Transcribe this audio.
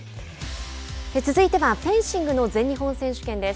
続いてはフェンシングの全日本選手権です。